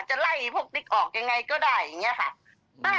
จะไล่พวกติ๊กออกยังไงก็ได้อย่างนี้ค่ะ